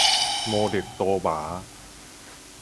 摩勒都峇